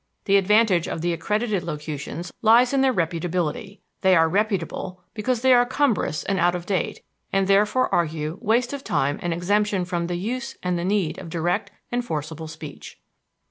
The advantage of the accredited locutions lies in their reputability; they are reputable because they are cumbrous and out of date, and therefore argue waste of time and exemption from the use and the need of direct and forcible speech.